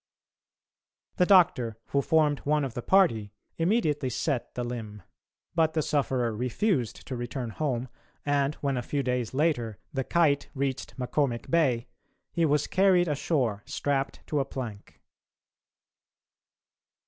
The doctor, who formed one of the party, immediately set the limb; but the sufferer refused to return home, and when, a few days later, the Kite reached McCormick Bay, he was carried ashore strapped to a plank.